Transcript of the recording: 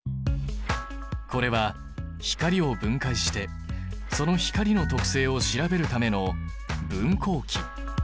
これは光を分解してその光の特性を調べるための分光器。